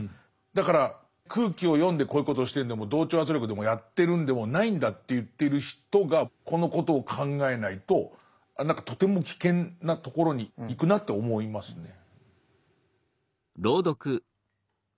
だから空気を読んでこういうことをしてるのでも同調圧力でもやってるんでもないんだと言ってる人がこのことを考えないとああ何かとても危険なところに行くなって思いますね。